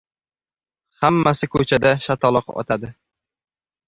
Hammasi ko‘chada shataloq otadi.